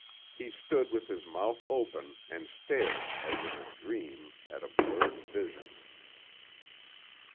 He stood with his mouth open and stared as in a dream at a blurred vision.